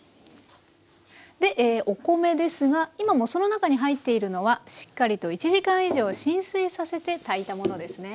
でお米ですが今もうその中に入っているのはしっかりと１時間以上浸水させて炊いたものですね。